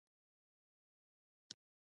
هر څوک کولی شي کاناډایی شي.